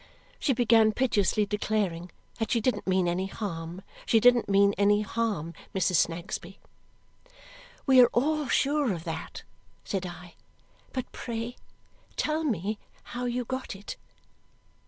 She began piteously declaring that she didn't mean any harm, she didn't mean any harm, Mrs. Snagsby! "We are all sure of that," said I. "But pray tell me how you got it."